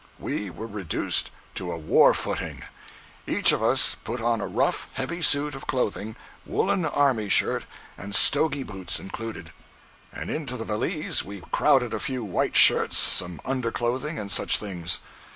We were reduced to a war footing. Each of us put on a rough, heavy suit of clothing, woolen army shirt and "stogy" boots included; and into the valise we crowded a few white shirts, some under clothing and such things.